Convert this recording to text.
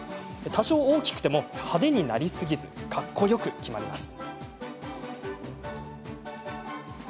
多少、大きくても派手になりすぎずかっこよく決まります。